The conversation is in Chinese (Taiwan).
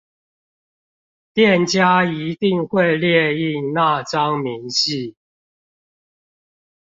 店家一定會列印那張明細